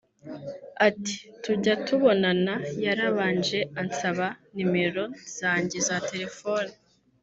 Ati “Tujya kubonana yarabanje ansaba nomero zanjye za telefoni